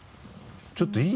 ちょっといい？